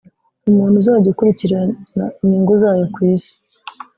umuntu uzajya ukurikirana inyungu zayo ku isi